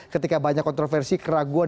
ketika banyak kontroversi keraguan